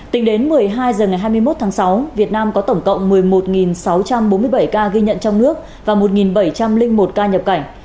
tính đến một mươi hai h ngày hai mươi một tháng sáu việt nam có tổng cộng một mươi một sáu trăm bốn mươi bảy ca ghi nhận trong nước và một bảy trăm linh một ca nhập cảnh